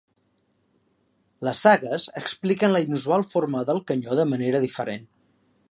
Les sagues expliquen la inusual forma del canyó de manera diferent.